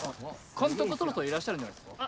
監督そろそろいらっしゃるんじゃないっすか？